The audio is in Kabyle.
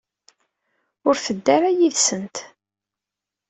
Ur tedda ara yid-sent.